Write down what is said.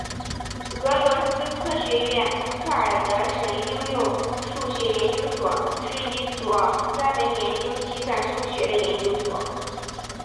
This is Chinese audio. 俄罗斯科学院克尔德什应用数学研究所是一所专门研究计算数学的研究所。